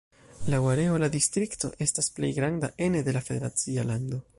Laŭ areo, la distrikto estas la plej granda ene de la federacia lando.